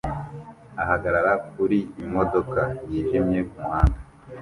ahagarara kuri imodoka yijimye kumuhanda